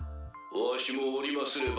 わしもおりますれば。